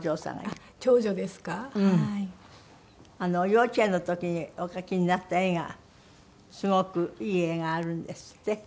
幼稚園の時にお描きになった絵がすごくいい絵があるんですって？